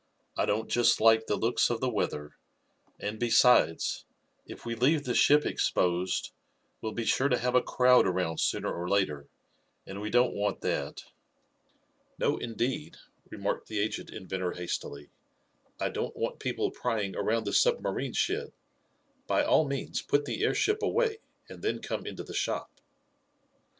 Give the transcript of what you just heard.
"I don't just like the looks of the weather, and, besides, if we leave the ship exposed we'll be sure to have a crowd around sooner or later, and we don't want that." "No, indeed," remarked the aged inventor hastily. "I don't want people prying around the submarine shed. By all means put the airship away, and then come into the shop."